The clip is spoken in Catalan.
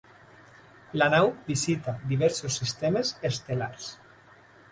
La nau visita diversos sistemes estel·lars.